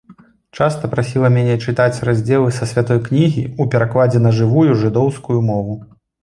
Часта прасіла мяне чытаць раздзелы са святой кнігі ў перакладзе на жывую жыдоўскую мову.